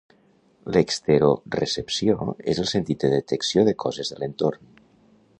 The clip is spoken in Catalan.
L'exterorecepció és el sentit de detecció de coses de l'entorn.